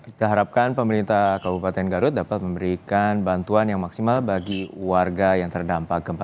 kita harapkan pemerintah kabupaten garut dapat memberikan bantuan yang maksimal bagi warga yang terdampak gempa